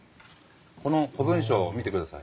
この古文書を見てください。